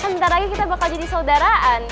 ntar lagi kita bakal jadi saudaraan